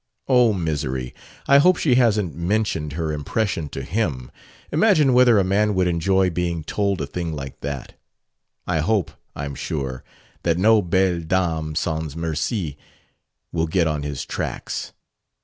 "Oh, misery! I hope she hasn't mentioned her impression to him! Imagine whether a man would enjoy being told a thing like that. I hope, I'm sure, that no 'Belle Dame sans Merci' will get on his tracks!"